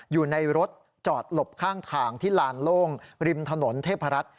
อยู่ในรถจอดหลบข้างทางที่ลานโล่งริมถนนเทพรัฐ